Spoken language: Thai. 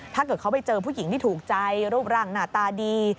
ถ้าเกิดเขาไปเจอผู้หญิงที่ถูกใจรูปร่างหน้าตาดี